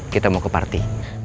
kita mau ke party